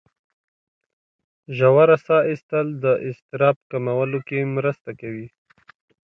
ژوره ساه ایستل د اضطراب کمولو کې مرسته کوي.